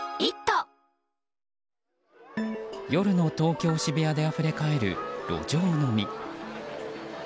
夜の東京・渋谷であふれ返る路上飲み。